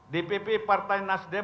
dpp partai nasdem